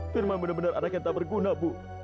firman benar benar anak yang tak berguna bu